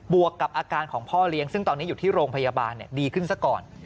วกกับอาการของพ่อเลี้ยงซึ่งตอนนี้อยู่ที่โรงพยาบาลดีขึ้นซะก่อน